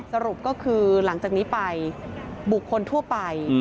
สรุปก็คือหลังจากนี้ไปบุคคลทั่วไป